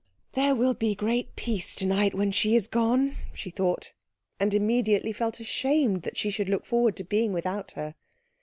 "There will be great peace to night when she is gone," she thought, and immediately felt ashamed that she should look forward to being without her.